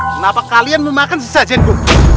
kenapa kalian memakan sesajengku